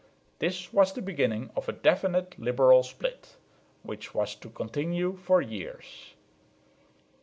This was the beginning of a definite liberal split, which was to continue for years.